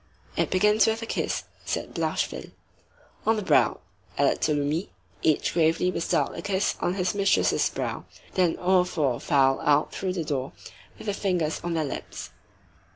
"It begins with a kiss," said Blachevelle. "On the brow," added Tholomyès. Each gravely bestowed a kiss on his mistress's brow; then all four filed out through the door, with their fingers on their lips.